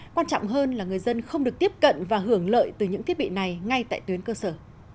quan trọng hơn là người dân không được tiếp cận và hưởng lợi từ những thiết bị này ngay tại tuyến cơ sở